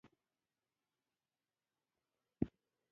تر اوسه تخصصي بحثونه لږ شوي دي